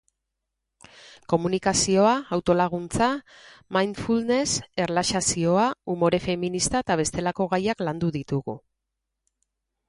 Komunikazioa, autolaguntza, mindfulness, erlaxazioa, umore feminista eta bestelako gaiak landu ditugu.